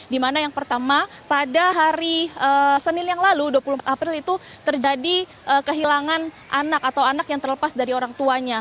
dimana yang pertama pada hari senin yang lalu dua puluh empat april itu terjadi kehilangan anak atau anak yang terlepas dari orang tuanya